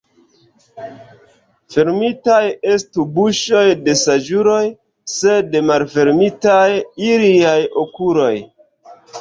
Fermitaj estu buŝoj de saĝuloj, sed malfermitaj iliaj okuloj.